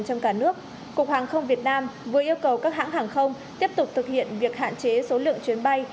trong cả nước cục hàng không việt nam vừa yêu cầu các hãng hàng không tiếp tục thực hiện việc hạn chế số lượng chuyến bay